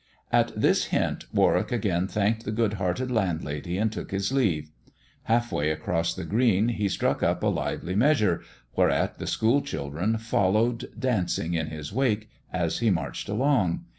At this hint Warwick again thanked the good hearted landlady, and took his leave. Half way across the green he struck up a lively measure, whereat the school children followed dancing in his wake as he marched along.